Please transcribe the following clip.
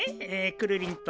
くるりんと。